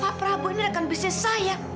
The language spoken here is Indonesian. pak prabu ini kan bisnis saya